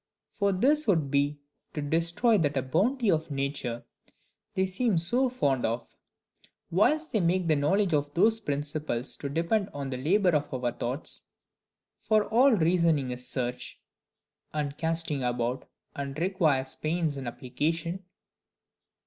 For this would be to destroy that bounty of nature they seem so fond of, whilst they make the knowledge of those principles to depend on the labour of our thoughts. For all reasoning is search, and casting about, and requires pains and application.